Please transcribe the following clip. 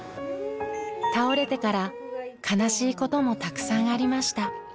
倒れてから悲しいこともたくさんありました。